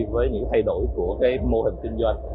với những thay đổi của mô hình kinh doanh